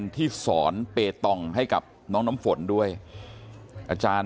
คุณยายบอกว่ารู้สึกเหมือนใครมายืนอยู่ข้างหลัง